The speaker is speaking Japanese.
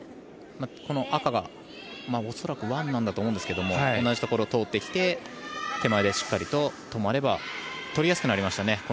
この赤が恐らくワンなんだと思うんですが同じところを通ってきて手前をしっかり取れれば取りやすくなりましたね